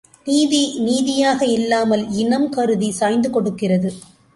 நீதி நீதியாக இல்லாமல் இனம் கருதி சாய்ந்து கொடுக்கிறது.